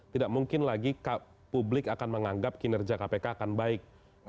tidak mungkin lagi publik akan menganggap kinerja kpk akan baik